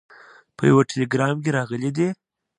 په یوه ټلګرام کې راغلي دي.